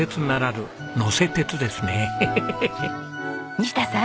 西田さん。